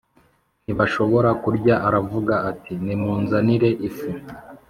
Ntibashobora kurya aravuga ati nimunzanire ifu